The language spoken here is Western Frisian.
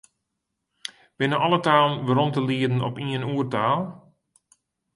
Binne alle talen werom te lieden op ien oertaal?